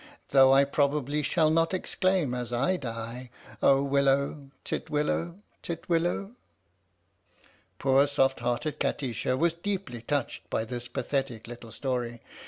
Though I probably shall not exclaim as I die " Oh willow, titwillow, titwillow! " Poor soft hearted Kati sha was deeply touched by this pathetic little story.